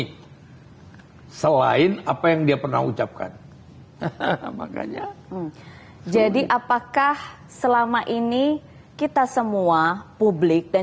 hai selain apa yang dia pernah ucapkan makanya jadi apakah selama ini kita semua publik dan